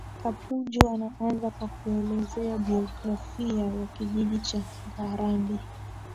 Kapunju anaanza kwa kuelezea jiografia ya Kijiji cha Ngarambi